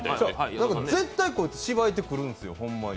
絶対こいつ、しばいてくるんですよ、ホンマに。